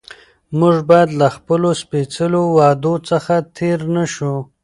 موږ باید له خپلو سپېڅلو وعدو څخه تېر نه شو